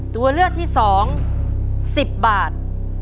ตัวเลือกที่๒๑๐บาท